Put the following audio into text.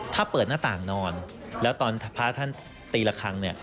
ถ้าเปิดหน้าต่างนอนแล้วตอนพระท่านตีละครั้งเนี่ย